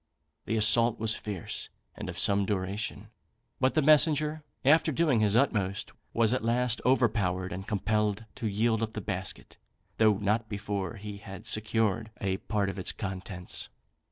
The assault was fierce, and of some duration; but the messenger, after doing his utmost, was at last overpowered and compelled to yield up the basket, though not before he had secured a part of its contents.